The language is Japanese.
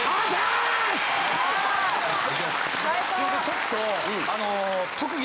すいませんちょっと。